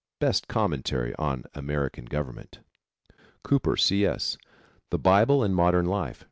Best commentary on American Government. Cooper, C. S., The Bible and Modern Life.